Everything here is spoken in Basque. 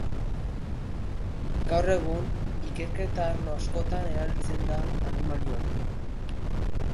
Gaur egun, ikerketa-arlo askotan erabiltzen da animalia hori.